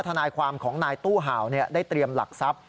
ทนายความของนายตู้เห่าได้เตรียมหลักทรัพย์